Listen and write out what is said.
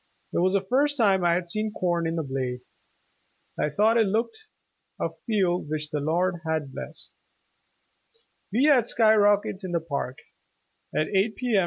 It was the first time I had seen corn in the blade. I thought it looked a field which the Lord had blessed. We had sky rockets in the Park at eight P. M.